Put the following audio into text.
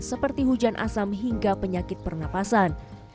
seperti hujan asam hingga penyakit pernapasan